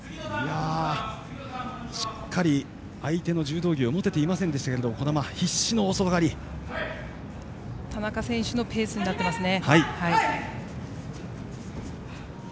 しっかり相手の柔道着を持てていませんでしたが田中選手のペースになっていますね。